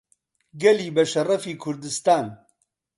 گەلی بەشەڕەفی کوردستان